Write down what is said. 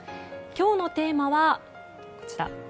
今日のテーマはこちら。